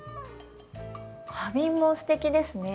花瓶もすてきですね。